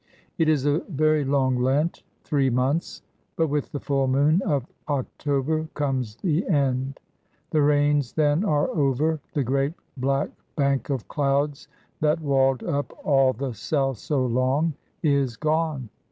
It is a very long Lent three months; but with the full moon of October comes the end. The rains then are over; the great black bank of clouds that walled up all the south so long is gone.